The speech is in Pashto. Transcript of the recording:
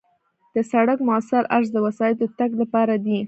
د سړک موثر عرض د وسایطو د تګ لپاره دی